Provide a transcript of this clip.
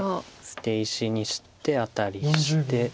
捨て石にしてアタリして。